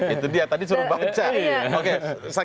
itu dia tadi suruh baca